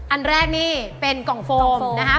อันแรกนี่เป็นกล่องโฟมนะครับ